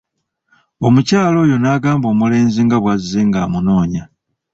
Omukyala oyo nagamba omulenzi nga bwazze ng'amunoonya.